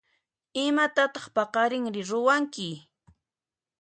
Imatataq paqarinri ruwanki?